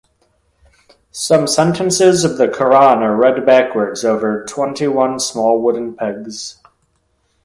Some sentences of the Koran are read backwards over twenty-one small wooden pegs.